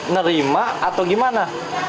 nerima atau gimana